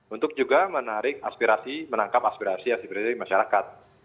untuk juga menarik aspirasi menangkap aspirasi aspirasi masyarakat